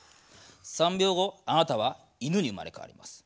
３秒後あなたは犬に生まれ変わります。